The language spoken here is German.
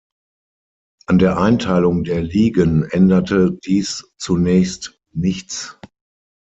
An der Einteilung der Ligen änderte dies zunächst nichts.